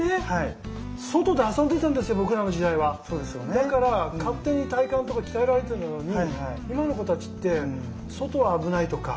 だから勝手に体幹とか鍛えられてたのに今の子たちって外は危ないとか。